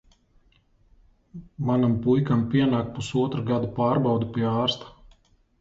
Manam puikam pienāk pusotra gada pārbaude pie ārsta.